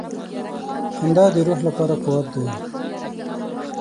• خندا د روح لپاره قوت دی.